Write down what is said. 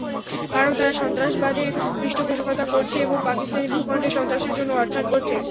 কারণ, তারা সন্ত্রাসবাদের পৃষ্ঠপোষকতা করছে এবং পাকিস্তানি ভূখণ্ডে সন্ত্রাসের জন্য অর্থায়ন করছে।